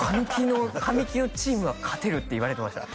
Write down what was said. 神木のチームは勝てるって言われてました